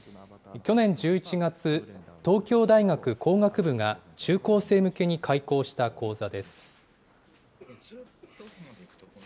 去年１１月、東京大学工学部が中高生向けに開講した講座です。